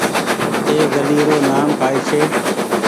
اي گُلي رو نآم ڪآئي ڇي۔